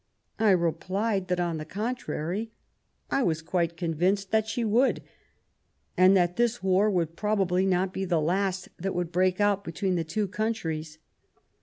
I replied that, on the contrary, I was quite convinced she would, and that this war would probably not be the last that would break out between the two countries.